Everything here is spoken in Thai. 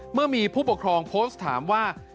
เมื่อมีผู้ปกครองโพสต์ถามว่า